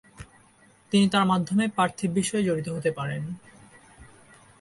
তিনি তাঁর মাধ্যমে পার্থিব বিষয়ে জড়িত হতে পারেন।